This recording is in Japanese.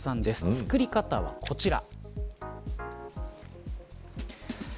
作り方はこちら。